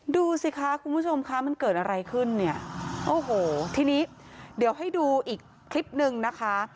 ดูสิคะคุณผู้ชมคะมันเกิดอะไรขึ้นเนี่ยโอ้โหทีนี้เดี๋ยวให้ดูอีกคลิปนึงนะคะ